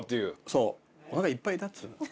そうおなかいっぱいだっつうの。